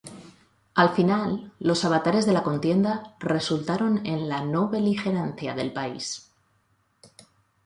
Al final, los avatares de la contienda resultaron en la no beligerancia del país.